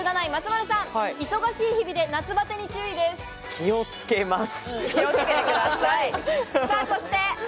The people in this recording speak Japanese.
気をつけます。